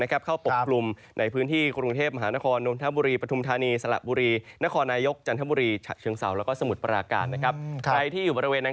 เข้าปกปรุงในพื้นที่กรุงเทพมหานครหนุนธมภูรีประธุมธานีสลับภูรี